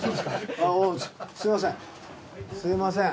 すみません